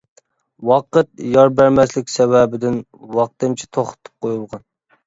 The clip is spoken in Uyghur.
ۋاقىت يار بەرمەسلىك سەۋەبىدىن ۋاقتىنچە توختىتىپ قويۇلغان.